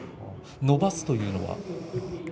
のばすというのは？